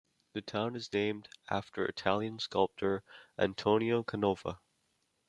The town is named after Italian sculptor Antonio Canova.